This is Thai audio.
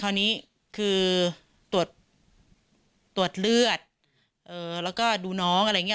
คราวนี้คือตรวจตรวจเลือดเอ่อแล้วก็ดูน้องอะไรอย่างเงี้ย